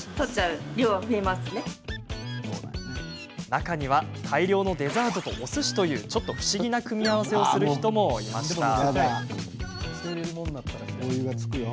中には大量のデザートとお寿司というちょっと不思議な組み合わせをする人もいました。